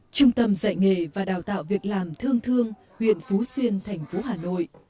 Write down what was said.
trung tâm dạy nghề và đào tạo việc làm thương thương huyện phú xuyên thành phố hà nội